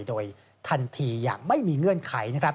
โดยทันทีอย่างไม่มีเงื่อนไข